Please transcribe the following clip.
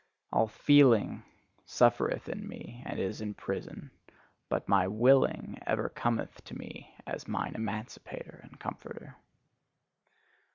All FEELING suffereth in me, and is in prison: but my WILLING ever cometh to me as mine emancipator and comforter.